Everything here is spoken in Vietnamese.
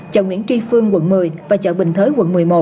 chợ nguyễn tri phương quận một mươi và chợ bình thới quận một mươi một